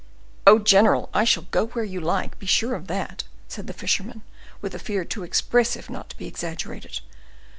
"Oh! general, I shall go where you like, be sure of that," said the fisherman, with a fear too expressive not to be exaggerated.